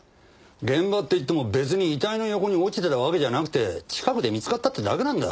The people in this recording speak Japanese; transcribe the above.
現場って言っても別に遺体の横に落ちてたわけじゃなくて近くで見つかったってだけなんだ。